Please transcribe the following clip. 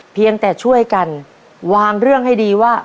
เพียงแต่ช่วยกันวางเรื่องให้ดีว่า